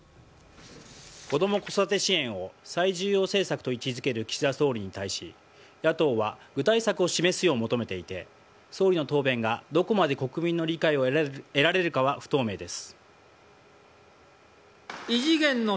子ども・子育て支援を最重要政策と位置付ける岸田総理に対し野党は具体策を示すよう求めていて総理の答弁がどこまで国民の理解を得られるかは不透明です。